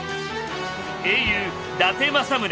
英雄伊達政宗。